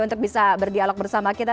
untuk bisa berdialog bersama kita